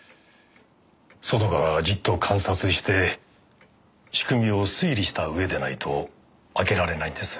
外からじっと観察して仕組みを推理した上でないと開けられないんです。